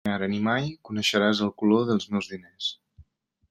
Ni ara ni mai coneixeràs el color dels meus diners.